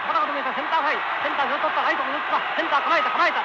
センター構えた構えた。